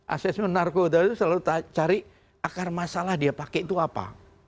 asesmen narkoba itu selalu cari akar masalah dia pakai itu apa